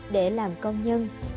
để làm công nhân